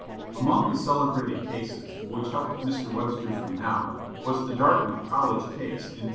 Among the celebrated cases which helped Mr. Webster's renown was the Dartmouth College case in 1817.